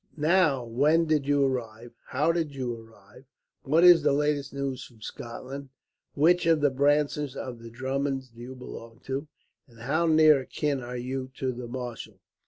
"Now, when did you arrive, how did you arrive, what is the last news from Scotland, which of the branches of the Drummonds do you belong to, and how near of kin are you to the marshal?